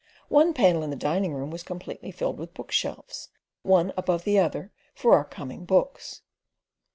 One panel in the diningroom was completely filled with bookshelves, one above the other for our coming books.